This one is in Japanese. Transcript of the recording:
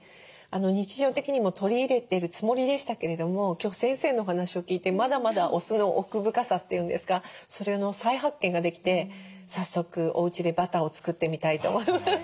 日常的にも取り入れてるつもりでしたけれども今日先生のお話を聞いてまだまだお酢の奥深さっていうんですかそれの再発見ができて早速おうちでバターを作ってみたいと思います。